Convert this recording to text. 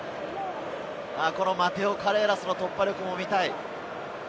マテオ・カレーラスの突破力も見たい。